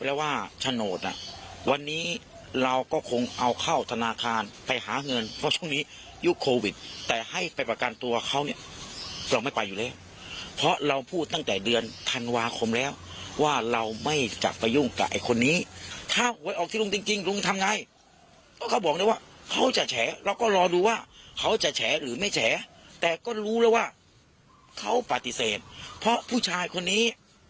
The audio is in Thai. แล้วก็รู้แล้วว่าเขาปฏิเสธเพราะผู้ชายคนนี้